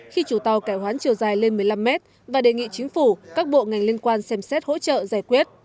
khi chủ tàu cải hoán chiều dài lên một mươi năm mét và đề nghị chính phủ các bộ ngành liên quan xem xét hỗ trợ giải quyết